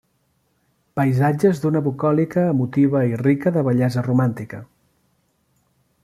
Paisatges d'una bucòlica emotiva i rica de bellesa romàntica.